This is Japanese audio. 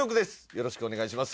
よろしくお願いします